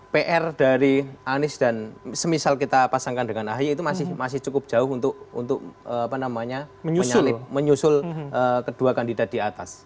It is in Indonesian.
pr dari anies dan semisal kita pasangkan dengan ahy itu masih cukup jauh untuk menyusul kedua kandidat di atas